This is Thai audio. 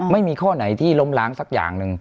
ไม่มีข้อไหนที่ล้มล้างสักอย่างหนึ่ง